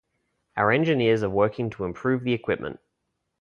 Our engineers are working to improve the equipment.